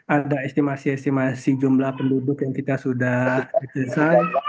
ada estimasi estimasi jumlah penduduk yang kita sudah diperiksa